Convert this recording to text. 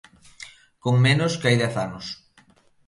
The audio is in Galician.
Con menos que hai dez anos.